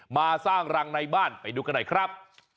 มาสร้างรังในบ้านไปดูกันหน่อยครับ